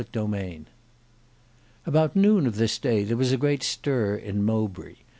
Book 6 Chapter 10 About noon of this day there was a great stir in Mowbray.